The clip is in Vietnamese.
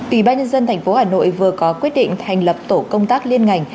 ủy ban nhân dân thành phố hà nội vừa có quyết định thành lập tổ công tác liên ngành